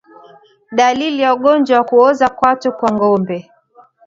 Dalili ya ugonjwa wa kuoza kwato kwa ngombe